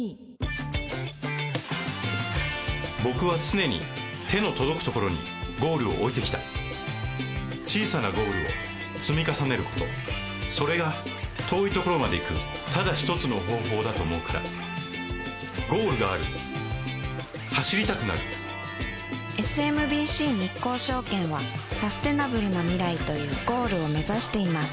僕は常に手の届くところにゴールを置いてきた小さなゴールを積み重ねることそれが遠いところまで行くただ一つの方法だと思うからゴールがある走りたくなるＳＭＢＣ日興証券はサステナブルな未来というゴールを目指しています